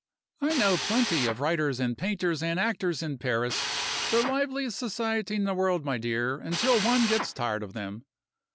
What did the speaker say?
I know plenty of writers and painters and actors in Paris the liveliest society in the world, my dear, until one gets tired of them.